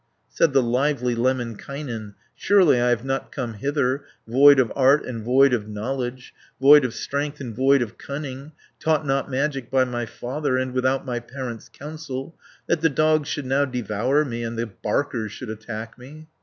Said the lively Lemminkainen, "Surely I have not come hither, Void of art and void of knowledge, Void of strength and void of cunning, 430 Taught not magic by my father. And without my parents' counsel That the dogs should now devour me, And the barkers should attack me.